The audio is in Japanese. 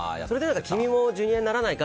君もＪｒ．にならないか？